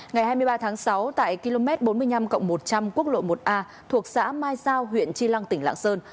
ngày hai mươi ba tháng sáu tại km bốn mươi năm một trăm linh quốc lộ một a thuộc xã mai giao huyện tri lăng tỉnh lạng sơn